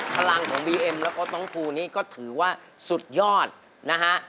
พลังของบีเอ็มแล้วก็น้องภูนี้ก็ถือว่าสุดยอดนะฮะ